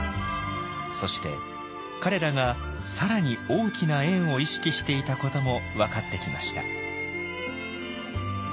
そして彼らが更に大きな円を意識していたことも分かってきました。